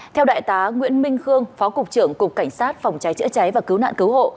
theo đại tá nguyễn minh khương phó cục trưởng cục cảnh sát phòng cháy chữa cháy và cứu nạn cứu hộ